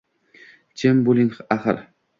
— Jim bo’ling, axir.